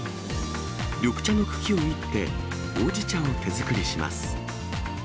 緑茶の茎をいって、ほうじ茶を手作りします。